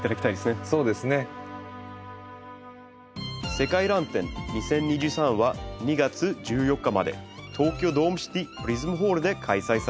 「世界らん展２０２３」は２月１４日まで東京ドームシティプリズムホールで開催されています。